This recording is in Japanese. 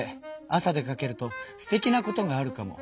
「朝出かけるとすてきなことがあるかも。